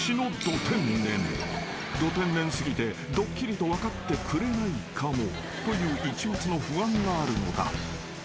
［ど天然過ぎてドッキリと分かってくれないかもという一抹の不安があるのだ］